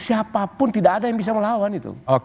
siapapun tidak ada yang bisa melawan itu